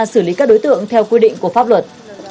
xử lý các đối tượng theo quy định của pháp luật